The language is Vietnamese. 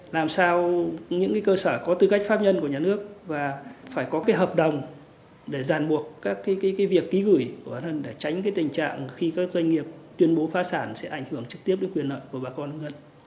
làm sao những cơ sở có tư cách pháp nhân của nhà nước và phải có hợp đồng để giàn buộc các việc ký gửi để tránh tình trạng khi các doanh nghiệp tuyên bố phá sản sẽ ảnh hưởng trực tiếp đến quyền nợ của bà con